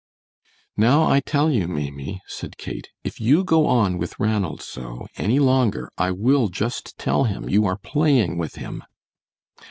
"Now I tell you, Maimie," said Kate, "if you go on with Ranald so any longer I will just tell him you are playing with him."